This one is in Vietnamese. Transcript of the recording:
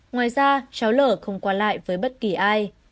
ngoài ra cháu lở không qua lại với bất kỳ ai